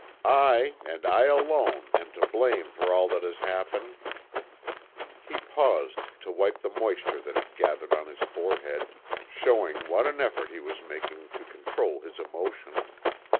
I, and I alone, am to blame for all that has happened." He paused to wipe the moisture that had gathered on his forehead, showing what an effort he was making to control his emotion.